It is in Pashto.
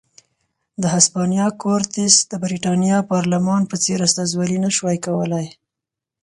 د هسپانیا کورتس د برېټانیا پارلمان په څېر استازولي نه شوای کولای.